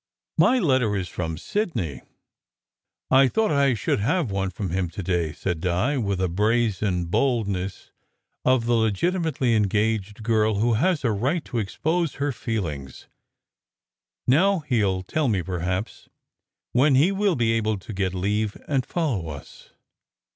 "My letter is from Sidney. I thought I should have one from him to day," said Di, with the brazen boldness SECRET HISTORY 167 of the legitimately engaged girl who has a right to expose her feelings. "Now he ll tell me, perhaps, when he will be able to get leave and follow us."